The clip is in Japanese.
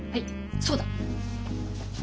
そうだ。